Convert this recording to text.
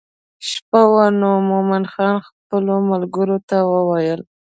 شپه وه نو مومن خان خپلو ملګرو ته وویل.